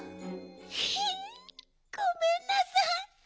ひごめんなさい。